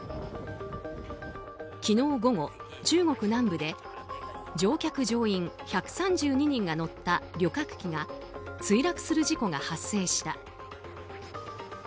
昨日午後、中国南部で乗客・乗員１３２人が乗った旅客機が墜落する事故が発生した。